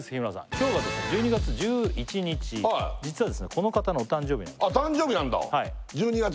今日が１２月１１日実はこの方のお誕生日なんですあっ